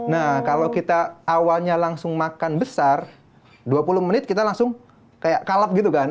nah kalau kita awalnya langsung makan besar dua puluh menit kita langsung kayak kalap gitu kan